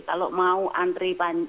kalau mau antri panjang